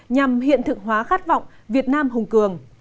nhằm hiện thực hóa khát vọng việt nam hùng cường